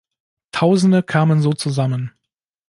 Tausende kamen so zusammen.